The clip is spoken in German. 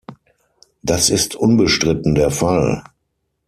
Das ist unbestritten der Fall.